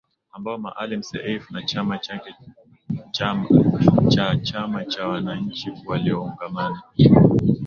Ambao Maalim Seif na chama chake cha Chama cha Wananchi waliugomea